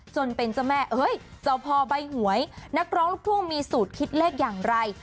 จนเป็นเจ้าแม่เอ้ยเจ้าพ่อใบหวยนักร้องลูกทุ่งมีสูตรคิดเลขอย่างไร